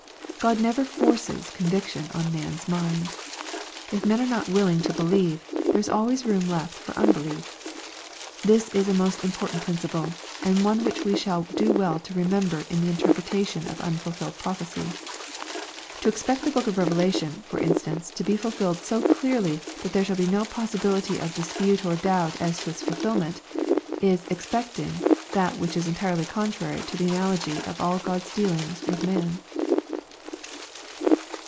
God never forces conviction on man*s mind. If men are not willing to believe, there is always room left for unbelief. This is a most im portant principle, and one which we shall do well to remember in the interpretation of unfulfilled prophecy. To expect the book of Revelation, for instance, to be fulfilled so clearly that there shall be no possibility of dispute or doubt as to its fiilfilment, is expect ing that which is entirely contrary to the analogy of all God's deal ings with man.